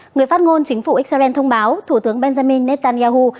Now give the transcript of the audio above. người phát ngôn chính phủ israel thông báo thủ tướng benjamin netanyahu